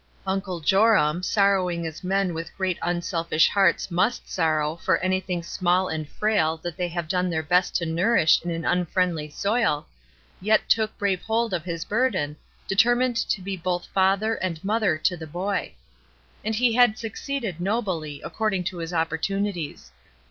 Uncle Joram, sorrowing as men with great un selfish hearts must sorrow for anything small and fraU that they have done their best to nourish in an unfriendly soil, yet took brave hold of his burden, determined to be both father and mother to the boy. And he had succeeded nobly, according to his opportunities.